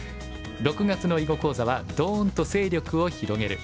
６月の囲碁講座は「ドーンと勢力を広げる」。